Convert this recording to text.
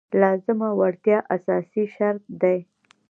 لازمه وړتیا اساسي شرط دی.